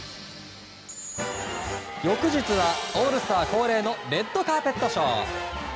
翌日はオールスター恒例のレッドカーペットショー。